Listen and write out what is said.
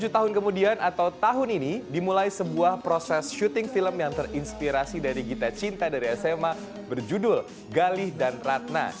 tujuh tahun kemudian atau tahun ini dimulai sebuah proses syuting film yang terinspirasi dari gita cinta dari sma berjudul galih dan ratna